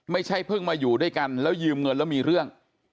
ไม่ใช่เพิ่งมาอยู่ด้วยกันแล้วยืมเงินแล้วมีเรื่อง